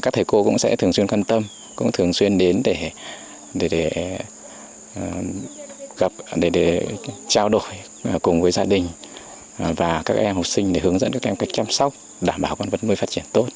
các thầy cô cũng sẽ thường xuyên quan tâm cũng thường xuyên đến để gặp để trao đổi cùng với gia đình và các em học sinh để hướng dẫn các em cách chăm sóc đảm bảo con vật nuôi phát triển tốt